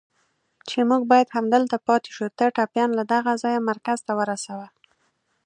چې موږ باید همدلته پاتې شو، ته ټپيان له دغه ځایه مرکز ته ورسوه.